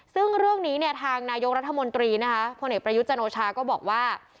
ซึ่งเรื่องนี้ทางนายกรัฐมนตรีพ่อเหน็จประยุทธ์จันโอชาก็บอกว่า